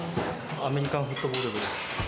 アメリカンフットボール部。